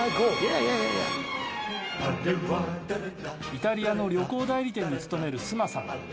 イタリアの旅行代理店に勤めるスマさん。